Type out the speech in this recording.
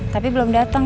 tapi belum dateng